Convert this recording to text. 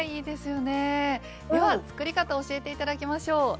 では作り方を教えて頂きましょう。